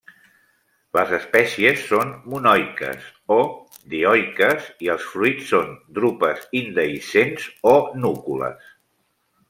Les espècies són monoiques, o dioiques i els fruits són drupes indehiscents o núcules.